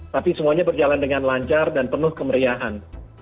tapi semuanya berjalan dengan lancar dan penuh kemeriahan